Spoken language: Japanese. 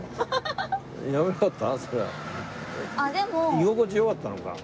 居心地良かったのか。